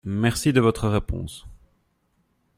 Merci de votre réponse.